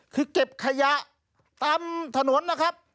คือเก็บขยะตามถนนนะครับ